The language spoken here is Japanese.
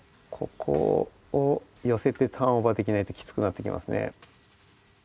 ここをよせてターンオーバーできないときつくなってきますね。